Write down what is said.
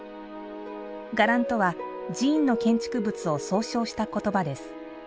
伽藍とは、寺院の建築物を総称した言葉です。